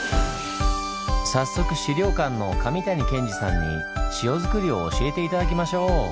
早速資料館の神谷健司さんに塩作りを教えて頂きましょう！